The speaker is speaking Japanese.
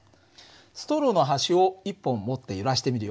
ストローの端を１本持って揺らしてみるよ。